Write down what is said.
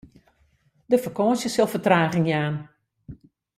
De fakânsje sil fertraging jaan.